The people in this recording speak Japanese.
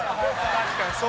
確かにそうだ。